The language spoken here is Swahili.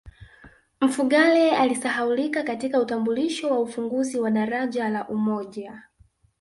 mfugale alisahaulika katika utambulisho wa ufunguzi wa daraja la umoja